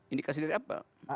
indikasi dari apa